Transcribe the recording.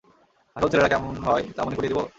আসল ছেলেরা কেমন হয় তা মনে করিয়ে দেব?